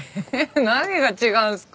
何が違うんすか？